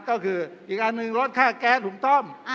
ก็คืออีกอันหนึ่งลดค่าแก๊สหุงต้ม